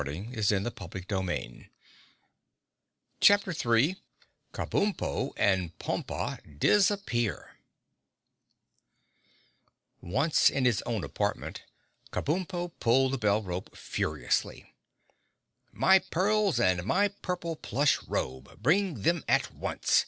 [Illustration: (unlabelled)] Chapter 3 Kabumpo and Pompa Disappear Once in his own apartment, Kabumpo pulled the bell rope furiously. "My pearls and my purple plush robe! Bring them at once!"